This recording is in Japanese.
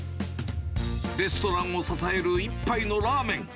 レストランを支える一杯のラーメン。